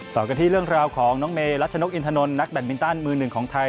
ต่อกันที่เรื่องราวของน้องเมรัชนกอินทนนทนักแบตมินตันมือหนึ่งของไทย